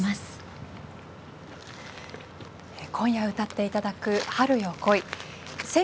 今夜歌っていただく「春よ、来い」。